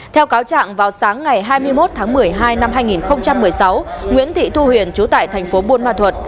theo cáo trạng vào sáng ngày hai mươi một tháng một mươi hai năm hai nghìn một mươi sáu nguyễn thị thu huyền chú tại thành phố buôn ma thuật